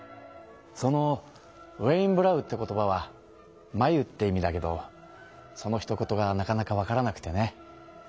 そのウエインブラウって言葉はまゆって意味だけどそのひと言がなかなかわからなくてね。